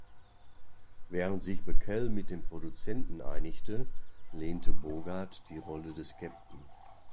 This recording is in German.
Während sich Bacall mit den Produzenten einigte, lehnte Bogart die Rolle des Capt.